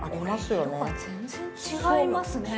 これ色が全然違いますね。